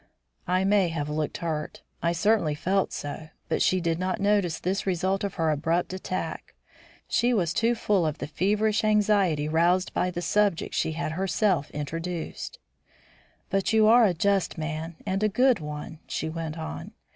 I may have looked hurt. I certainly felt so; but she did not notice this result of her abrupt attack; she was too full of the feverish anxiety roused by the subject she had herself introduced. "But you are a just man and a good one," she went on.